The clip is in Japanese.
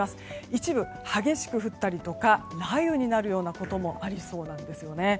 一部、激しく降ったりとか雷雨になるようなところもあるんですね。